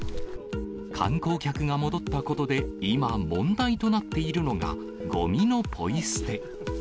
観光客が戻ったことで、今問題となっているのが、ごみのポイ捨て。